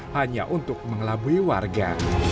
hanya untuk mengelabui warga